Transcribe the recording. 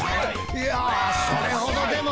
いやそれほどでも。